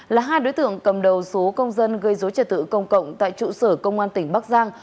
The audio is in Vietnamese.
là hai đối tượng cầm đầu số công dân gây dối trật tự công cộng tại trụ sở công an tỉnh bắc giang